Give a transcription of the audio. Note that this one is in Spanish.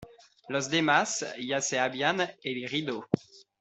Los demás ya se habían elegido.